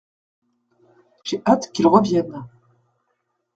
J’ai hâte qu’il revienne.